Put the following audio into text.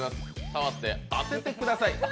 触って当ててください。